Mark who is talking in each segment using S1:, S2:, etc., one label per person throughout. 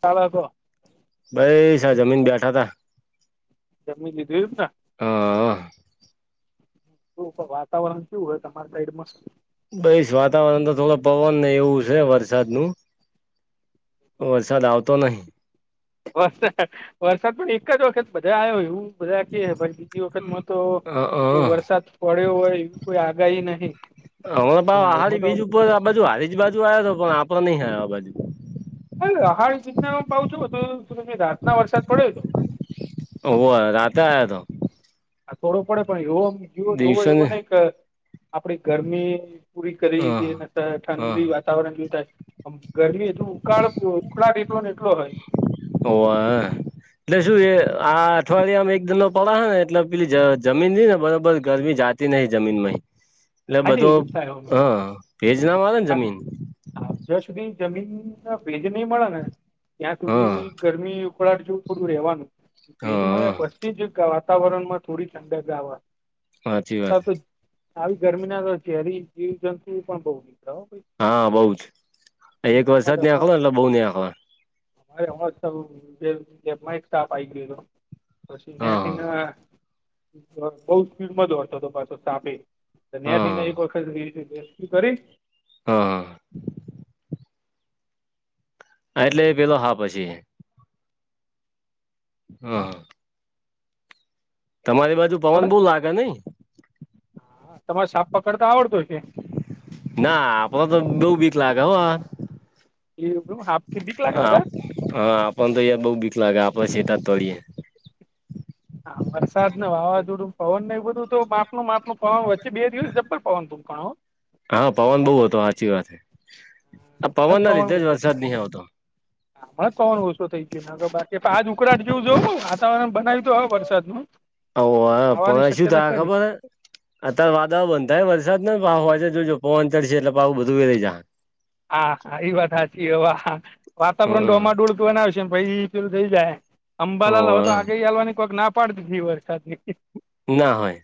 S1: ચાાલ [unintelligible]
S2: ભાઈ સા જમીન બેઠા તા.
S1: જમી લીધું ને.
S2: હા.
S1: તો વાતાવરણ કેવુ હોય, તમારા સાઈડમાં?
S2: બઈસ વાતાવરણ તો થોડો પવન ને, એવું છે વરસાદ નું. વરસાદ આવતો નહીં.
S1: વરસાદ વરસાદ પણ એક જ વખત બધા આવ્યો એવું. બધાખી પણ બીજી વખત તો. કોઈ વરસાદ પડ્યો હોય, એવી કોઈ આગાહી નહીં.
S2: હમણા
S1: અને હાલમાં
S2: આહારીડી
S1: તો
S2: બીજ ઉપર. ઉપર આ બાજુ આવે. બીજી બાજુ આયો તો, પણ આપડે નહીં આવ્યા, બાજુ.
S1: અરે અહાડ સુીધના પા છું, રાતના વરસાદ પડ્યો તો.
S2: હો, રાતે આયા તો.
S1: આ થોડો પડે, પણ એવો જવો જોવો,
S2: દિવસે
S1: એવો
S2: ને
S1: નહી કે. આપડી ગરમી પૂરી કરી,
S2: હા
S1: ઠંડીની વાત.
S2: હા
S1: વાતાવરણ કેવું થાય, ગરમી એવું ઉકાળ ઉખળાટ એટલો ને, એટલો હોય.
S2: હોવા. એટલે શું એ, આ અઠવાડિયામાં એક ધંધો પડે હ ને, એટલે પેલી જમીનથી ને, બરોબર ગરમી જાતે. નહીં જમીનમાંય, એટલે
S1: હાજી
S2: બધો
S1: એવું જ થાય
S2: હ, ભેજ નામ આવે ને, જમીન.
S1: હા જ્યાં સુધી જમીન ના ભેજ નહીં મળે ને, ત્યાં
S2: હા
S1: સુધી ગરમી. ઉકળટ જેવું થોડું રહેવાનું, ભેદ
S2: હા
S1: મળ્યા પછી જ વાતાવરણ માં. થોડી
S2: સાચી
S1: ઠંડક.
S2: વાત
S1: [unintelligible] આવી ગરમી ના તો, જેરી જીવજંતુ પણ બઉ નીકળે હો.
S2: હા, બઉ જ. એક વરસાદ આંખવાને, એટલે બઉુ ની આંખવા.
S1: મારે હમાં એક સ્ટાફ આ ગયો હતો [unintelligible] પછી
S2: હા
S1: યાથીને, બહુ સ્પિડમાં દોડતો, તો પાછો સાપે. ત્યાંથીને
S2: હા
S1: એક વખત રેસ્ક્યુ કરી.
S2: હા હા એટલે એ પેલો હા પછી હા હા તમારી બાજુ
S1: આપણે
S2: પવન બહુ લાગે નઈ.
S1: હા, તમારે સાપ પકડતા આવડતો કે?
S2: ના, આપો તો દો બીક લાગે હો હા.
S1: એ સાપથી બીક લાગે
S2: હા,
S1: વધારે
S2: આપણ તો યાર બઉ બીક લાગે, આપડે સેતા તોડીએે.
S1: હા, વરસાદ ને વાવાઝોડું, પવન ને બધું તો માપનુ માપનુ પણ વચ્ચે બે દિવસ જબર પવન ફૂંકાણો.
S2: હા, પવન બહુ હતો હાચી વાત હે, આ
S1: હમણાં
S2: પવન ના લીધેજ વરસાદ નહી આવતો. [inaudible]
S1: હમણા જ પવન ઓછો થઈ ગયો, ન તો બાકી તો આજ ઉકડાટ જેવું જવું બઉ વાતાવરણ બનાવ્યું તો હવે વરસાદનું.
S2: ઓ હ પા
S1: આવવાની
S2: શું
S1: શક્યતા
S2: દા
S1: ખરી
S2: ખબર અત્યારે વાદાળ બંધાય વરસાદ ને, પાવ હોજે જોજો, પવન ચડશે એટલે પાવ બધું વેરાઈ જા.
S1: હા હા, ઇ વાત હાચી હોવા, વાતાવરણ તો
S2: હમ
S1: અમાર દોડ તો બનાવશે ભાઈ ઈ પેલું થઈ જાહે, અંબાલાલ હવે તો આ
S2: ઓવે
S1: કઈ હાલવાની કોઈક ના પાડતી વરસાદ ની.
S2: ના હોય.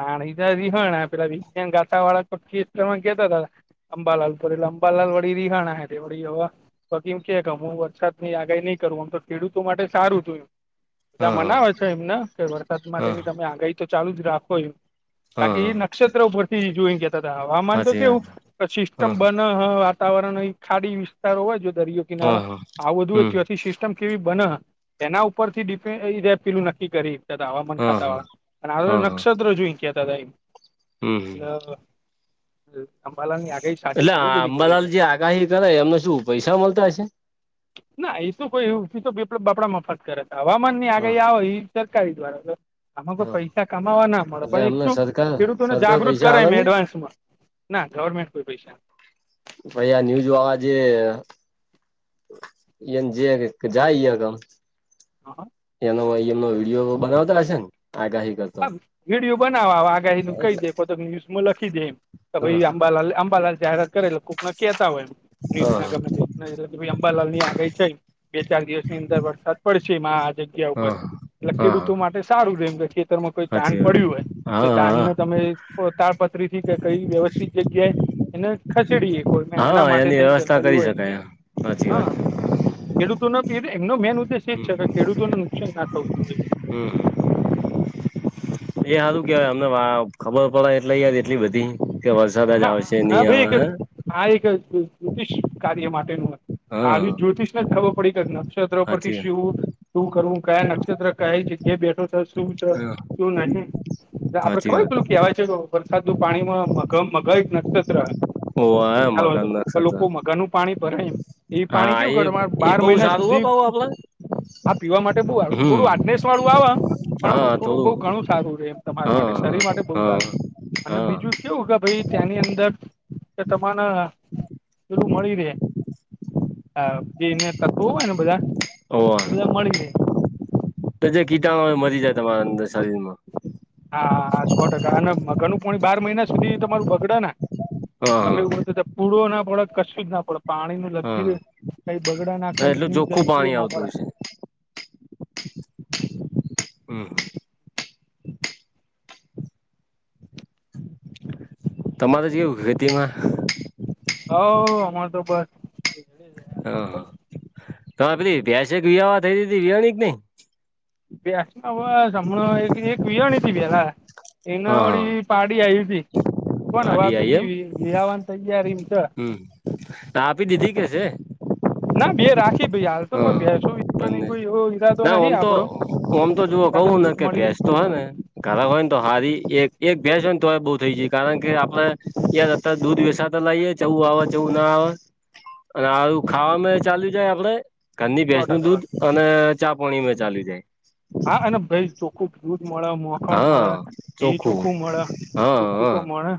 S1: આ હિધાજી હોણ ને પેલા વિરચન ગાથાવાળા તો [unintelligible] કેતો તો ને. અંબાલાલ કરે એટલે અંબાલાલ વડી રી હાણા હે તે વડી હોવા. ફકીમ કે કે હું વરસાદ ની આગાહી નહીં કરું, આમ તો ખેડૂતો માટે સારું જોયું.
S2: હ
S1: બધા મનાવે છે એમને, કે વરસાદ
S2: હ
S1: માટેની તમે આગાહી તો ચાલુ જ રાખો એમ.
S2: હ હ
S1: બાકી ઇ નક્ષત્ર ઉપરથી જોઈ કેતા હતા, હવામાન તો
S2: સાચી વાત
S1: કેવું પછી હ હ વાતાવરણ હોય, ખાડી વિસ્તારો હોવાજો દરિયો
S2: હા
S1: કિનારો,
S2: હા
S1: આ બધું
S2: હમ
S1: તથી સી સિસ્ટમ કેવી બને એના ઉપરથી ડિપેન્ડ અઈ રેપ પેલું નક્કી કરી દેતા હવામાન
S2: હા
S1: ખાતા
S2: હા
S1: વાળા, અને આ વે
S2: હા હા
S1: નક્ષત્ર જોઈન કેતા તા.
S2: હમ હમ
S1: યઅ અંભાલાની આખ
S2: એટલે આ અંબાલાલ જે આગાહી કરે, એમને શું પૈસા મળતા હશે?
S1: ના એ શું કોઈ [unintelligible] બાપડા મફત કરે, હવામાન ની
S2: હા
S1: આગાહી આવે ઇ સરકારી દ્વારા ક આમાં કોઈ
S2: હા
S1: પૈસા કમાવા ના મળે,
S2: એટલે
S1: પણ એક
S2: એમને
S1: શું
S2: સરકાર
S1: ખેડૂતોને
S2: સરકાર
S1: જાગૃત
S2: પૈસા
S1: કરાય
S2: હાલે
S1: એમ
S2: ને
S1: એડવાન્સ માં. ના ગવર્મેન્ટ કોઈ પૈસા.
S2: ભાઈ આ ન્યૂઝ વાવાજે. યેન જે કે જાય કેમ.
S1: હા હા.
S2: એનો વય એમનો વિડીયો બનાવતા હશે ન, આગાહી કર
S1: હમ વિડીયો બનાવા, આગાહી નું કઈ દે, કોત ન્યુઝમાં લખી દે એમ. તો
S2: હા
S1: ભાઈ અંબાલાલ, અંબાલાલ જાહેરાત કરે એટલે કૂક ના કેતા હોય મિસ
S2: હા
S1: ના ગમે થી. નઇ રે ભાઈ અંબાલાલ ની આગહી છે, બે ચાર દિવસ ની અંદર વરસાદ પડશે એમાં આ જગ્યા ઉપર,
S2: હા
S1: એટલે
S2: હા હા
S1: ખેડૂતો માટે સારું રે, એમ કે ખેતરમાં કોઈ ધાન
S2: સાચી
S1: પડ્યું
S2: વાત
S1: હોય. તો
S2: હા હા
S1: ધાનને તમે પો તાળપતરી થી કઈ વ્યવસ્થિત જગ્યાએ એને ખસેડી એે કોઈ, ને એના માટે થઈ જનરલિ હોય છે.
S2: હાચી વાત
S1: હા
S2: છે.
S1: ખેડૂતોનો થી, એમનો મેન ઉદ્દેશ એ જ છે, કે ખેડૂતોને નુકસાન ના થવું જોઈ.
S2: હમ્મ. એ સારું કેવાય, અમને ખબર પડે, એટલે યાદ એટલી બધી. કે વરસાદ જ
S1: હા
S2: આવશે
S1: હા ભાઈ
S2: નહીં,
S1: એક
S2: હ.
S1: આ એક જ્યોતિષ કાર્ય માટેનું
S2: હા
S1: આવી, જ્યોતિષને જ ખબર પડી કે નથી. નક્ષત્ર પરથી,
S2: સાચી
S1: શું કરવું? કયા નક્ષત્ર કઈ જગ્યાએ બેઠો છે. શું છે,
S2: વાત
S1: શું નહી આપડે,
S2: સાચી
S1: ખબર પેલું
S2: વાત
S1: કેવાય છે, વરસાદનું પાણીમાં. મગ એક નક્ષત્ર.
S2: ઓ
S1: ચાલ હતો,
S2: મકાન
S1: લોકો
S2: નક્ષત્ર
S1: મગનું પાણી ભરાય એમ, એ પાણી
S2: હા
S1: કેવું
S2: એ
S1: કરે, તમારે
S2: એ
S1: બાર
S2: બહુ
S1: મહિના
S2: સારું હો
S1: સુધી
S2: બઉ હમ.
S1: હા પીવા માટે, બુ આવું થોડું, આડનેસ વાળું આવે. પણ આમ થોડું બઉ ઘણું સારું છે, એમ તમારા માટે
S2: હા
S1: શરીર માટે બહુ
S2: હા
S1: સારું અને
S2: હા
S1: બીજું કેવું ભાઈ ત્યાંની અંદર કે, તને પેલું મળી રહેે. હા, જેને થયું હોય ને, બધા. એ બધા મળી રહે
S2: [inaudible] તો જે કીટાણુ હો મરી જાય, તમારા અંદર શરીરમાં.
S1: હા, સો ટકા અને ઘણું પોણી બાર મહિના સુધી તમારું બગડા ને, તમે
S2: હા
S1: એવું હો હતું. પૂડો ના પડે, કશુ જ ના પડે
S2: હા
S1: પાણી. કઈ બગડા ના,
S2: હા
S1: કઈ
S2: એટલું ચોખ્ખું
S1: જીવજંતુઓ
S2: પાણી
S1: ના
S2: આવતું
S1: પડે.
S2: હશે હ. તમારે જેવું ખેતીમાં.
S1: હ, અમાર તો બ.
S2: હ હા તોરે પેી બેસેક વયાહ થઈી વહની જ નઈ [unintelligible]
S1: વ્યાસમાંણા એક વહની હતી પેલા એના
S2: હા હા
S1: વળી [unintelligible] પાડી આવી હતી, પણ હવે
S2: પાડી આઈ એમ
S1: બીજી વિહાવાની તૈયારી છે.
S2: હમ આપી દીધી કે છે?
S1: ના, બે રાખી. ભાઈ, હાલ તો
S2: હા
S1: કોઈ ભેંસુ
S2: બંને
S1: કોઈ એવો, ઈરાદો
S2: ના
S1: નહીં
S2: આમ તો
S1: આપડો,
S2: આમ તો જુઓ
S1: કારણ કે
S2: કહું ને
S1: દૂધ મળી.
S2: ભેસ તો હેને. ખરા હોય ને તો, હારી એક એક ભેંસ હોયને, તો બહુ થઈ જાય, કારણ કે આપડે એ. દૂધ વેસાતા લઈએ, ચેવું આવે, ચેવું ના આવે. અને આવું ખાવા માંય ચાલી જાય આપડે. ધરની
S1: સો
S2: ભેસ
S1: ટકા
S2: નું
S1: વાત
S2: દૂધ અને ચા પાણી ચાલ્યું જાય.
S1: હા, અને ભાઈ ચો [unintelligible] ખૂબ દૂધ મળે, મખણ મળે, ધી ચોખ્ખું મળે,
S2: હા
S1: ચોખ્ખું તો
S2: હા
S1: મળે.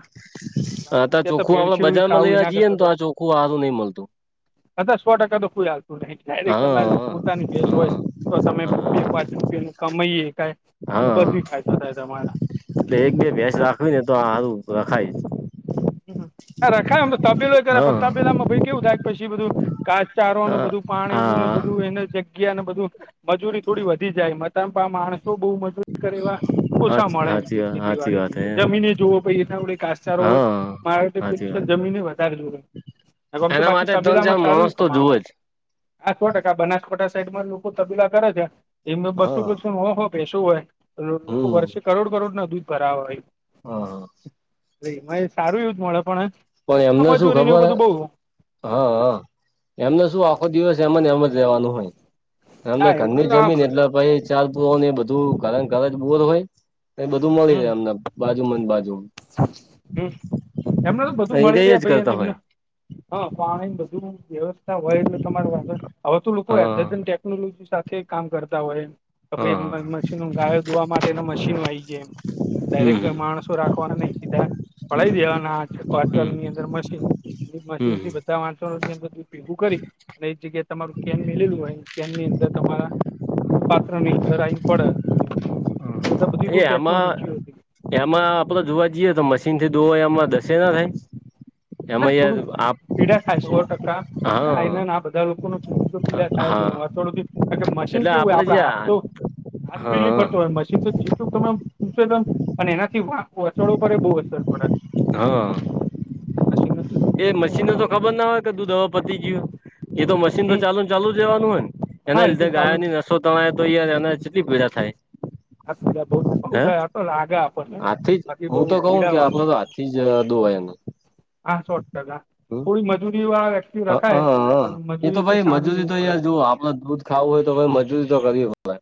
S2: અતાર ચોખ્ખું આપડે
S1: ભેળસેળ
S2: બજારમાં
S1: ખાવું
S2: લેવા
S1: એના
S2: જઈએ
S1: કરતો
S2: ને
S1: તો.
S2: આ ચોખ્ખું હારું નહી મળતું
S1: એ સો ટકા તો કોઈ આલતું નહીં, ડાયરેક્ટ તમારે
S2: હા
S1: પોતાની ભેંસ હોય
S2: હા
S1: તો તમે. બે-પાંચ રૂપિયા નું કમાઈ શકાય.
S2: હા, એટલે એક-બે ભેંસ રાખવી ને, તો સારું રખાય.
S1: રખાય તબેલોય કરે,
S2: હા
S1: તબેલા માં કેવું થાય, પછી બધું. કધાસચારોને,
S2: હા
S1: બધું પાણી ને
S2: હા
S1: બધું, એને જગ્યાને બધું મજૂરી થોડી વધી જાય. આ માણસો બહુ મજા. એ ઓછા મળે, એમ
S2: હાચી હાચી વાત હાચી
S1: ખેતીવાડીની
S2: વાત હે
S1: અંદર જમીન જોવો, પછી એ આપડે ધાસચારો.
S2: હા
S1: મારે
S2: હાચી
S1: ફિક્સ
S2: વાત
S1: જમીન વધારે જોય. હા, ઓમ તો
S2: એના
S1: બાકી,
S2: માટે ત્રણ ચાર
S1: તબેલામાં સારું
S2: માણસ તો જુવે
S1: કમાવાનું.
S2: જ
S1: આ સો ટકા બનાસકાંઠા સાઈડ માં લોકો તબેલા કરે છે, એમને
S2: હા
S1: બસો-બસો, સો-સો ભેંશુ હોય. લોકો
S2: હમ
S1: વર્ષે કરોડ કરોડ ના દૂધ ભરાવ હોય.
S2: હા હા.
S1: એમાય સારું એવું જ મળે પણ,
S2: પણ
S1: એમાં
S2: એમને શું
S1: મજૂરીને
S2: ખબર હ.
S1: એવું બધું બહુ
S2: હ હ એમને શું આખો દિવસ એમ જ એમ જ રેવાનું હોય. એમને
S1: ના
S2: ધર ની
S1: તો આ
S2: જમીન
S1: ખરું
S2: એટલે પછી ચાર પુરોને એ બધું કારણ ઘર બુર હોય. એ બધું મળી
S1: હમ
S2: રહે એમને બાજુ મા ન બાજુ મા.
S1: હમ એમને તો બધું મળી રહ્યા ભાઈ એને એમને. હા પાણી બધું વ્યવસ્થા હોય એટલે તમારું વાંધો નય. હવે તો લોકો
S2: હા
S1: અધ્યતન ટેકનોલોજી સાથે કામ કરતા હોય. ભય
S2: હા
S1: અ મશીનો ગાયો દોવા માટે ના મશીનો આવી ગ્યા એમ.
S2: હમ
S1: ડાયરેક્ટ કોઈ માણસો રાખવાના નહી સીધા
S2: હમ
S1: પળી દેવાના
S2: હમ
S1: અંચળની અંદર મશીન. એ મશીન
S2: હમ
S1: થી બધા વાણસો ની અંદર ભેગું કરી. અને એ જગ્યાએ તમારું કેન મેલેયુ હોય કેન ની અંદર તમારા, પાત્ર ની અંદર આવી ને પડે દુધ,
S2: એ આમાં એમાં આપડે જોવા જઈએ તો મશીન થી દોય એમાં દસે ના થાય?
S1: ના
S2: એમાં યાર
S1: થોડું
S2: આપ
S1: પીડા થાય સો ટકા ગાયને
S2: હા
S1: આ બધા લોકોનું, તો પીડા થાય
S2: હા
S1: છે આ થોડું કારણકે મશીન
S2: એટલે
S1: કેવું હોય
S2: જે
S1: આપડે હાથ તો, હાથ પેલી
S2: હા
S1: ફરતો હોય મશીન તો જેટલું તમે અમ, ન અને એનાથી આંચડો પર એ બહુ અસર પડે.
S2: હા.
S1: મશીન નથી
S2: એ મશીનને તો
S1: જોયું
S2: ખબર ના હોય કે દુધ હવે પતી ગયુ એ તો મશીન તો
S1: હમ
S2: ચાલુ ન ચાલુ જ રેવાનું હોય ને
S1: હા
S2: એના
S1: એ તો
S2: લીધે
S1: ચાલુ
S2: ગાયોની નસો તણાય તો યાર એને કેટલી પીડા થાય.
S1: હા સમજા બહુ
S2: હે
S1: થયા આતો લાગે આપણને બાકી બઉ પીડા વાળુ,
S2: દોવા એનું,
S1: હા સો ટકા થોડી મજૂરી આવે,
S2: હ
S1: રખાય પણ,
S2: હ એ તો
S1: મજૂરી થી
S2: ભાઈ
S1: સાંત
S2: મજૂરી
S1: એવું
S2: તો
S1: પડે
S2: યાર
S1: છે.
S2: જુઓ દૂધ ખાવું હોય તો કોઈ મજૂરી તો કરવી પડે.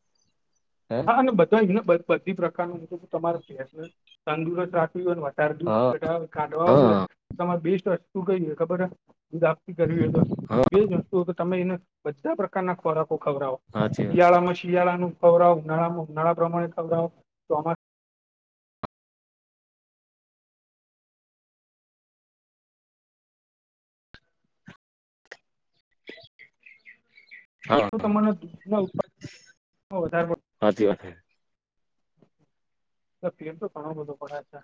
S2: હે
S1: હા અને બધાને બધી પ્રકારનું તમારે ફેસને તંદુરસ્ત રાખવી હોય ને. ર દૂધ
S2: હા
S1: કાઢવા
S2: હા
S1: હોય
S2: હા
S1: તમારે બેસ્ટ વ શું કહી ખબર હ. દૂધ આપતી કરવી એજ વસ્તુ કે તમે એને બધા પ્રકારના ખોરાકો ખવરાવો.
S2: હાચી વાત
S1: શિયાળા માં શિયાળા નું ખવડાવો ઉનાળામાં ઉનાળા પ્રમાણે ખવડાવો, ચોમાસા
S2: હ [inaudible]
S1: તો તમને દૂધના ઉત્પાદ વધારે પડ
S2: સાચી વાત.
S1: ફેર તો ઘણો બધો પડ્યા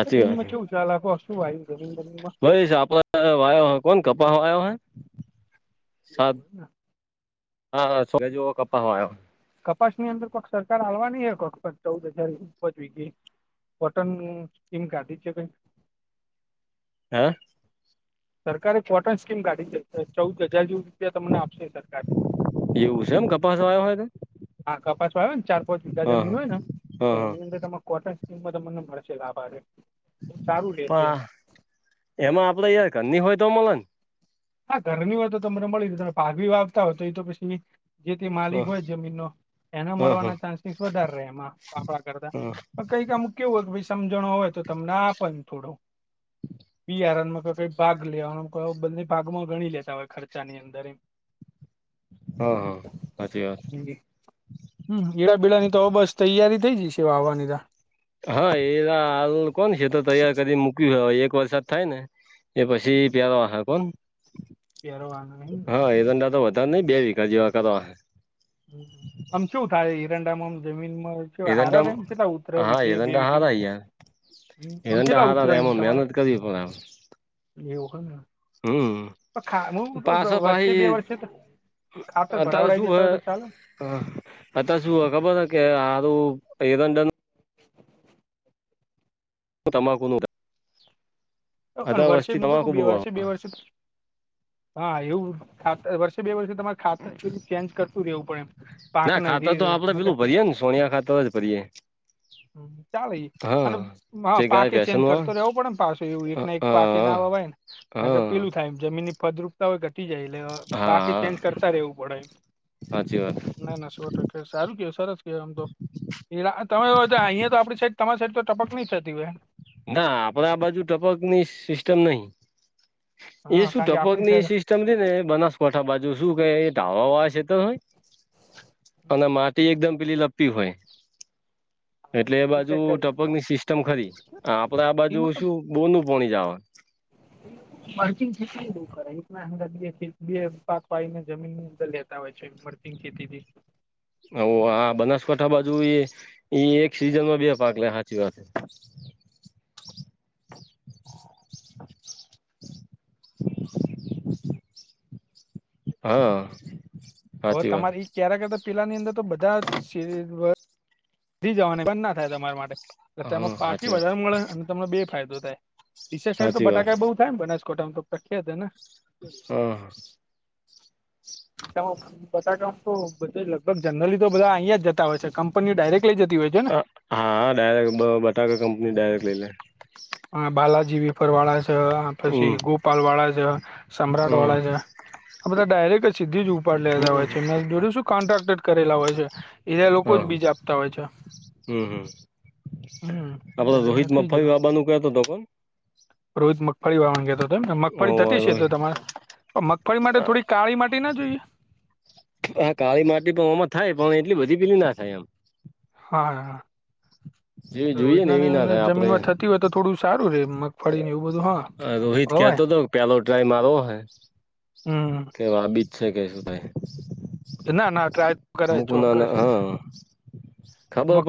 S1: છે
S2: વાત
S1: જમીનમાં કેવું ચાલ આપ શું આવ્યું જમીન જમીનમાં.
S2: ભાઈ સાપાયો હ કોણ કપા આયો હૈ?
S1: એવું
S2: સાત
S1: હોય ને
S2: હા સો જેવો કપાવયો.
S1: કપાસ ની અંદર કોક સરકાર આવાની હ કોકક ચૌદ હજાર ઉપજવી ગઈ. કોટન સ્કીમ કાઢી છે?
S2: હે?
S1: સરકારે કોટન સ્કીમ કાઢી છે ચૌદ હજાર જેવું રૂપિયા તમને આપશે સરકાર.
S2: એવું છે એમ કપાસવાયો હોય તો.
S1: હા કપાસમાં આવે ને ચાર પાંચ વીઘા જમીન હોય ને, તો
S2: હા હા હા
S1: એની અંદર તમે કોટન નિમ તમને મળશે લાભ આવેે.
S2: પા એમાં આપડે, યાર ઘર ની હોય તો મળે.
S1: હા ઘરની વા તો તમને મળી જ ત પાઘવી વાવતા હોય એ તો પછી જે તે માલિક
S2: હા
S1: હોય જમીનનો, એને
S2: હા હા
S1: મળવાના ચાન્સીસ વધારે રહે એમાં આપડા કરતા.
S2: હા
S1: કઈક અમુક કેવું હો વી સમજણો હોય તો તમને આપેને થોડું.
S2: [inaudible]
S1: બહારમાં ક ભાગ લેવા ક બને ભાગમાં ગણી લેતા હોય ખર્ચા ની અંદર એમ.
S2: હ હાચી વાત.
S1: હમ, એડાબીડા ની તો બસ તૈયારી થઈ જશે વાવવાની ત.
S2: હા એ હાલ કોણ છે તો તૈયાર કરી મૂક્યું હવે એક વરસાદ થાય ને. એ પછી પ્યારવાખ કોણ,
S1: પહેરવાના એમ ને
S2: હા એ દંડા તો વધ નહી બે વિઘા જેવા કર.
S1: આમ શું થાય હિરંડામાંજમીન માં.
S2: હે
S1: કેવા હારા
S2: એરંડા
S1: રેય કેટલા ઉતરે
S2: હા
S1: વિધે બે
S2: એરંડા
S1: વિધે?
S2: હારા યાર
S1: હ આમ
S2: એરંડા
S1: કેટલા
S2: હારા
S1: ઉતરાયયમ
S2: એમાં
S1: તમારા?
S2: મહેનત કરવી પડે
S1: એવું ને.
S2: હમ.
S1: પણ ખા હું તો વર્ષે બે
S2: પાશોપહી,
S1: વર્ષે તો ખાતર ભરાવરાઈ
S2: અતાશું હ.
S1: દેતા હોય તો ચાલે
S2: હા અત શું ખબર હ કે આારું એ દંડ તંબાકુ
S1: વર્ષે
S2: વસ્તી
S1: હું તો ક
S2: તમાકુ
S1: બે
S2: બહુ આવે
S1: વર્ષે બે વર્ષે
S2: [inaudible]
S1: હા એવું ખાતર વર્ષે બે વર્ષે તમારે ખાતરું ચેન્જ કરતું રહેેવું પણ એમ.
S2: ના
S1: પાકને
S2: ખાતર તો
S1: રીર
S2: આપડે પેલું ભરીએે ને સોનિયા ખાતર જ ભરીએે.
S1: ચાલે
S2: હા
S1: અને હ
S2: જે ગાય
S1: પાકે ચેન્જ
S2: ફેશનમાં
S1: કરતો રહેેવું પડેમ પાછો એવું એક ના એક પાકે
S2: હા
S1: નાવાય નેગર,
S2: હા
S1: પેલું થાયમ જમીનરપ ય ઘટી જાય એટલે બાકી
S2: હા
S1: ચેન્જ કરતા રહેેવું પડે એમ,
S2: સાચી વાત
S1: ના ના સો ટકા. સારું કેવાય સરસ કેવાય આમ તો. તમે અહિયાયા તો આપડી સાઈડ તમારી સાઈડ તો ટપક નહી થતી હોય.
S2: ના આપડા બાજુ ટપકની સિસ્ટમ નહી, એ
S1: હા
S2: શું
S1: કારણ કે
S2: ટપક
S1: આપડી
S2: ની
S1: સાઈડ
S2: સિસ્ટ- સમજી ને બનાસકોઠા બાજુ શું કે એ ઢઆ વા વાળા શેતર હોય અને
S1: હા,
S2: માટી એકદમ પેલી લપટી હોય. એટલે એ
S1: એમને ઈ
S2: બાજુ
S1: સાઈડ કરે.
S2: ટપકની સિસ્ટમ ખરી આપડે આ
S1: ઈ
S2: બાજુ
S1: મતલબ
S2: શું. બોનું પોણી જ આવ. [inaudible]
S1: પર્કિંગ [unintelligible] કરાય બે પા પાને જમીન ની અંદર લે. આવેય છે ફરતીંગ ખેતી થી.
S2: હ આ બનાસકાંઠા બાજુ એ એક સીઝન માં બે પાક લે સાચી વાત. હા.
S1: હવે
S2: હાચી વાત
S1: તમારે ક્યારે કરતા પેલા ની અંદર તો બધા સે, જવાની બંધ ના થાય તમારા માટે એટલે
S2: હા
S1: તેમાં પાક અ
S2: હાચી વાત
S1: વધાર મળે. તમને બે ફાયદો થાય ડીસા સાઇડ તો
S2: હાચી વાત
S1: બટાકા બઉુ થાય ને બનાસકોંઠામાં તો પ્રખ્યાત ને,
S2: હમ હ.
S1: બટાકામાં હું બંધ લગભગ જનરલી તો બધા અહીયાયા જ જતા હોય છે કંપનીઓ ડાયરેક્ટ લી જતી હોય. છે ને
S2: હા ડાયરેક્ટ બ બટાકા કંપની ડાયરેક્ટ લઈ લે.
S1: હ બાલાજીવી. ફર વાળા છે, પછી
S2: હમ
S1: ગોપાલ વાળા છે, સમ્રાટ
S2: હમ
S1: વાળા છે, આ બધા ડાયરેક્ટ સીધી જો ઉપ લેતા
S2: હમ
S1: હોય છે, એમના જોડે શું કોન્ટ્રાક્ટ કરેલા હોય છે, એના લોકો જ
S2: હા
S1: બીજ આપતા હોય છે.
S2: હમ હમ
S1: હમ
S2: આપડે
S1: એટલે
S2: રોહિત
S1: એમને થઈ
S2: મગફળી લાબા નૂ કતો તો કા,
S1: રોજ મગફળી વાળણ કેતો મગફળી થતી છે તો તમારે. અ મગફળી માટે થોડી કાળી માટી ના જોઈ એ.
S2: હા કાળી માટી પણ આમાં થાય પણ એટલી બધી પેલી ના થાય એમ.
S1: હા.
S2: [unintelligible] જેવી જોઈએ ને
S1: રોહિતના
S2: એવી ના
S1: એમને
S2: થાય આપડે
S1: જમીનમાં થતી હોય તો થોડું સારું રે મગફળીને એવું બધું હા
S2: અ રોહિત
S1: વવાય
S2: કેતો તો. પેલો ટરાય મારવો હૈ.
S1: હમ હમ.
S2: કે વા બીજ છે કે શું ભાઈ.
S1: ના ના ટ્રાય કરાય
S2: મુકુના
S1: ચોક્કસ
S2: ના હા ખબર પણ
S1: મગ